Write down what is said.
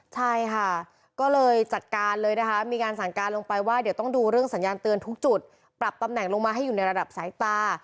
ใช่ค่ะก็เลยจัดการเลยนะคะมีการสั่งการลงไปว่าเดี๋ยวต้องดูเรื่องสัญญาณเตือนทุกจุดปรับตำแหน่งลงมาให้อยู่ในระดับสายตา